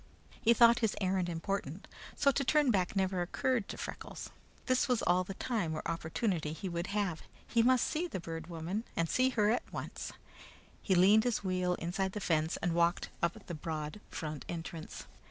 He thought his errand important, so to turn back never occurred to Freckles. This was all the time or opportunity he would have. He must see the Bird Woman, and see her at once. He leaned his wheel inside the fence and walked up the broad front entrance.